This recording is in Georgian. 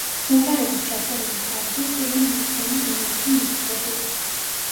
სიმღერების ჩაწერილი თარიღი სტივენ უილსონის მიერ იქნა მითითებული.